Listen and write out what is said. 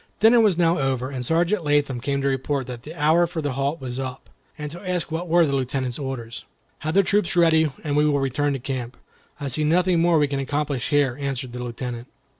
Dinner was now over, and Sergeant Latham came to report that the hour for the halt was up, and to ask what were the Lieutenant's orders. "Have the troop ready, and we will return to camp. I see nothing more we can accomplish here," answered the Lieutenant.